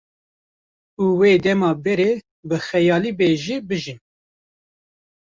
û wê dema berê bi xeyalî be jî bijîn